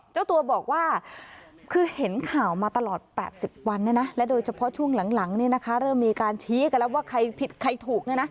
เจ้าตัวบอกว่าคือเห็นข่าวมาตลอด๘๐วันและโดยเฉพาะช่วงหลังเริ่มมีการชี้กันแล้วว่าใครผิดใครถูก